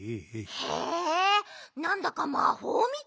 へえなんだかまほうみたい！